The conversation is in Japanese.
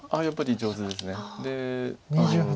やっぱり上手です。